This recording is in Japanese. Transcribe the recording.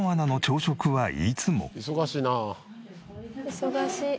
忙しいな。